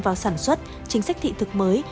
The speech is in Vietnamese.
vào sản xuất chính sách thị thực mới